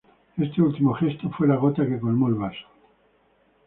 Este último gesto fue la gota que colmó el vaso.